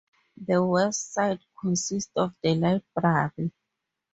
The West side consists of the library.